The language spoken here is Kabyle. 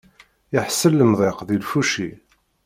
Iḥṣel lemdek di lfuci.